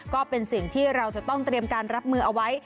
ก็เป็นสิ่งที่เราจะต้องเตรียมการรับมือเอาไว้